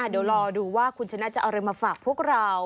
เดี๋ยวรอดูว่าคุณชนะจะเอาอะไรมาฝากพวกเรา